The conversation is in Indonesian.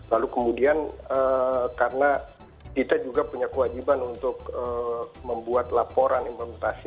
lalu kemudian karena kita juga punya kewajiban untuk membuat laporan implementasi